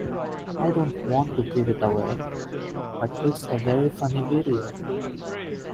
I don't want to give it away, but it's a very funny video.